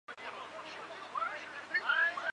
县里的人为庙题额为烈女庙。